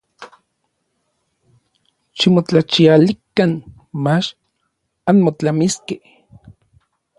Ximotlachialikan mach anmotlamiskej.